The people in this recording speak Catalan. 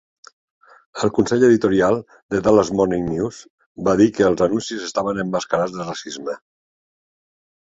El consell editorial de "Dallas Morning News" va dir que els anuncis estaven emmascarats de racisme.